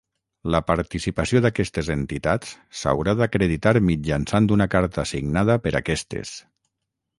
La participació d'aquestes entitats s'haurà d'acreditar mitjançant una carta signada per aquestes.